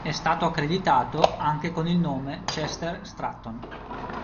È stato accreditato anche con il nome Chester Stratton.